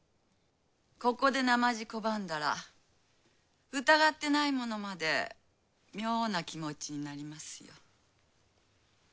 ここでなまじ拒んだら疑ってない者まで妙な気持ちになりますよ。